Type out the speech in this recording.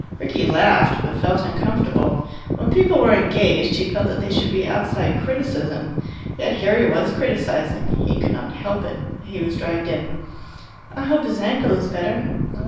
Rickie laughed, but felt uncomfortable. When people were engaged, he felt that they should be outside criticism. Yet here he was criticizing. He could not help it. He was dragged in. "I hope his ankle is better."